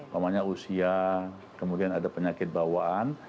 namanya usia kemudian ada penyakit bawaan